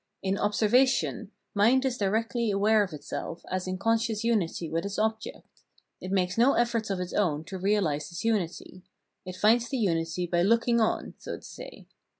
In " observation " mind is directly aware of itself aa in con scious unity with its object : it makes no effort of its own to realise this unity : it finds the unity by looking on, so to say.